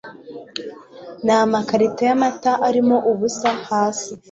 n'amakarito y'amata arimo ubusa hasi